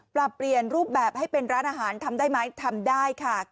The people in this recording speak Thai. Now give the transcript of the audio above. ปรับเปลี่ยนรูปแบบให้เป็นร้านอาหารทำได้ไหมทำได้ค่ะ